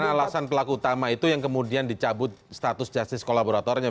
karena alasan pelaku utama itu yang kemudian dicabut status justice kolaboratornya